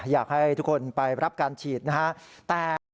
อยากให้ทุกคนไปรับการฉีดนะฮะ